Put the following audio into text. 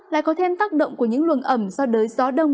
lại có thêm tác động của những luồng ẩm do đới gió đông